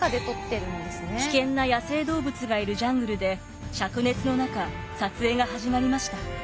危険な野生動物がいるジャングルでしゃく熱の中撮影が始まりました。